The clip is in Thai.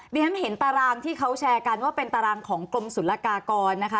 เรียนเห็นตารางที่เขาแชร์กันว่าเป็นตารางของกรมศุลกากรนะคะ